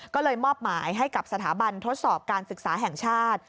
ก็เลยมอบหมายให้กับสถาบันทดสอบการศึกษาแห่งชาติ